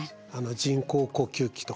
人工呼吸器とかね